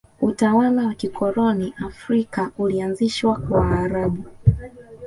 utawala wa kikoloni afrika ulianzishwa na waarabu